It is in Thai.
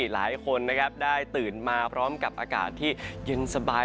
หลายคนนะครับได้ตื่นมาพร้อมกับอากาศที่เย็นสบาย